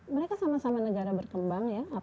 mereka sama sama negara berkembang ya